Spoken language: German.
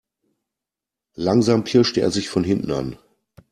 Langsam pirschte er sich von hinten an.